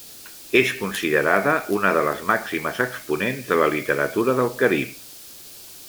És considerada una de les màximes exponents de la literatura del Carib.